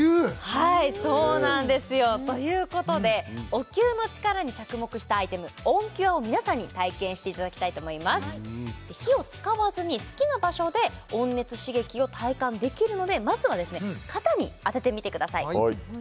はいそうなんですよということでお灸の力に着目したアイテムＯＮＣＵＲＥを皆さんに体験していただきたいと思います火を使わずに好きな場所で温熱刺激を体感できるのでまずは肩に当ててみてください